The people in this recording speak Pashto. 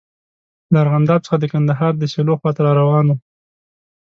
له ارغنداب څخه د کندهار د سیلو خواته را روان وو.